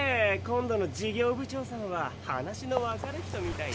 今度の事業部長さんは話のわかる人みたいだ。